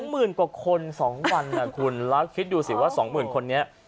หมื่นกว่าคน๒วันนะคุณแล้วคิดดูสิว่า๒๐๐๐คนนี้